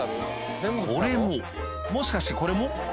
これももしかしてこれも？